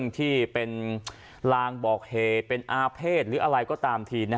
ที่เป็นลางบอกเหตุเป็นอาเภษหรืออะไรก็ตามที